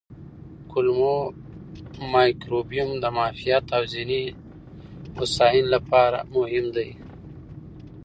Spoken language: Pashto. کولمو مایکروبیوم د معافیت او ذهني هوساینې لپاره مهم دی.